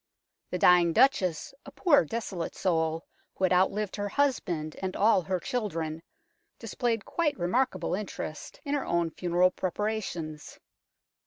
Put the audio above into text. The dying Duchess, a poor desolate soul, who had outlived her husband and all her children, displayed quite remarkable interest in her own funeral preparations.